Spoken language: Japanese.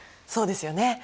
そうですよね。